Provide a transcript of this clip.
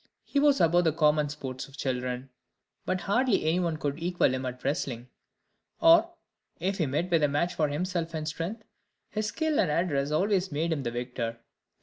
He was above the common sports of children, but hardly any one could equal him at wrestling; or, if he met with a match for himself in strength, his skill and address always made him the victor.